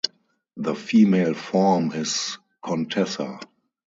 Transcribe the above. The female form is "contessa".